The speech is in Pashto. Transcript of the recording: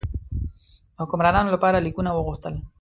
د حکمرانانو لپاره لیکونه وغوښتل.